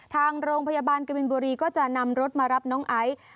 ทางโรงพยาบาลกบินบุรีก็จะนำรถมารับน้องไอซ์